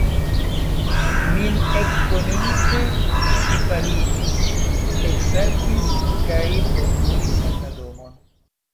Min ekkoninte, ŝi paliĝis, eksaltis kaj forkuris en la domon.